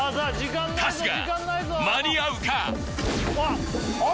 春日間に合うか？